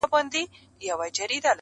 جګه لوړه ګل اندامه تکه سپینه.!